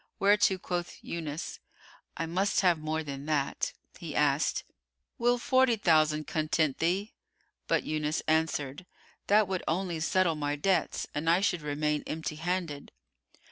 Whereto quoth Yunus, "I must have more than that." He asked, "Will forty thousand content thee?"; but Yunus answered, "That would only settle my debts, and I should remain empty handed."